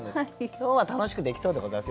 今日は楽しくできそうでございます。